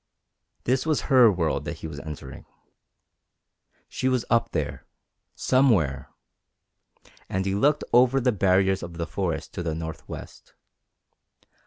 This was her world that he was entering. She was up there somewhere and he looked over the barriers of the forest to the northwest.